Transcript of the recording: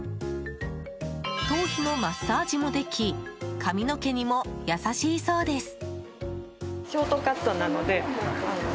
頭皮のマッサージもでき髪の毛にも優しいそうです。